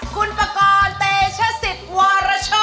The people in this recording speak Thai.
คุณปกรณ์แตชสิธร์วารชู